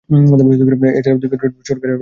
এছাড়াও দীর্ঘ ঠোঁট, সরু ঘাড় এবং দীর্ঘ পা থাকে।